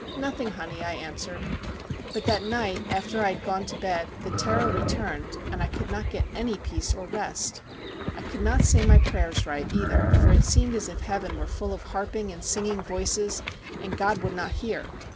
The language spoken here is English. "Nothing, honey," I answered. But that night after I had gone to bed the terror returned, and I could not get any peace or rest. I could not say my prayers right, either, for it seemed as if heaven were full of harping, and singing voices, and God would not hear.